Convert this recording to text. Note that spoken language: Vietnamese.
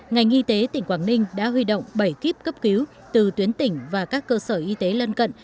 ngành y tế tỉnh quảng ninh đã huy động bảy kíp cấp cứu từ tuyến tỉnh và các cơ sở y tế lân cận